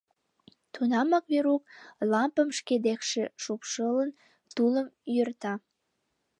Тунамак Верук, лампым шке декше шупшылын, тулым йӧрта...